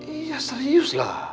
iya serius lah